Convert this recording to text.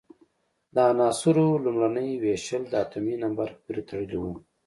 د عناصرو لومړنۍ وېشل د اتومي نمبر پورې تړلی وو.